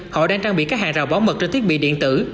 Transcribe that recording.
họ đang trang bị các hàng rào bảo mật trên thiết bị điện tử